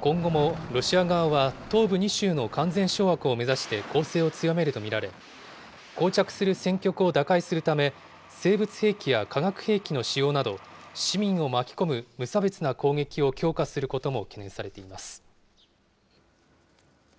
今後もロシア側は東部２州の完全掌握を目指して攻勢を強めると見られ、こう着する戦局を打開するため、生物兵器や化学兵器の使用など、市民を巻き込む無差別な攻撃を強化することも懸念されています。